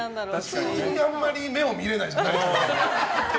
普通にあんまり目を見れてないじゃない。